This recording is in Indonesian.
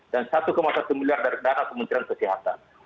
dan rp satu satu miliar dari dana kementerian kesehatan